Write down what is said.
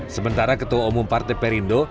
sementara ketua umum partai perindo